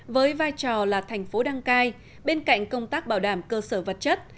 với vai trò là thành phố đăng cai bên cạnh công tác bảo đảm cơ sở vật chất